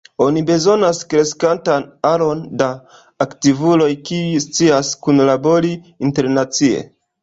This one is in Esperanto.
Oni bezonas kreskantan aron da aktivuloj, kiuj scias kunlabori internacie.